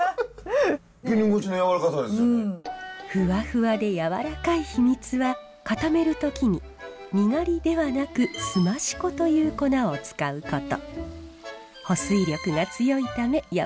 ふわふわでやわらかい秘密は固める時ににがりではなくすまし粉という粉を使うこと。